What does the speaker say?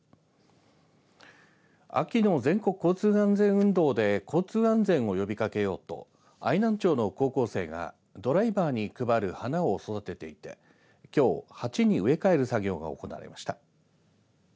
秋の全国交通安全運動で交通安全を呼びかけようと愛南町の高校生がドライバーに配る花を育てていてきょう、鉢に植え替える作業が行われました。